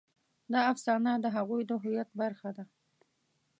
دا افسانه د هغوی د هویت برخه ده.